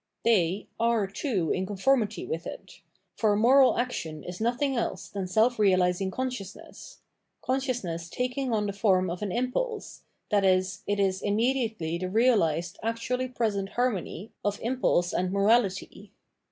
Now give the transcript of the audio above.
They, are, too, in conformity with it ; for moral action is nothing else than self realising consciousness — con sciousness taking on the form of an impulse, i.e. it is immediately the realised, actually present harmony Dissemblance 631 of impulse and morality.